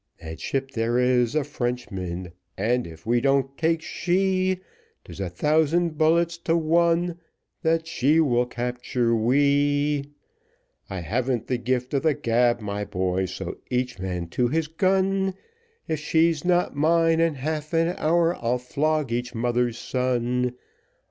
That ship there is a Frenchman, and if we don't take she, 'Tis a thousand bullets to one, that she will capture me; I havn't the gift of the gab, my boys, so each man to his gun, If she's not mine in half an hour, I'll flog each mother's son.